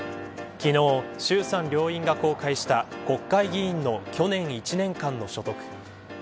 昨日、衆参両院が公開した国会議員の去年１年間の所得。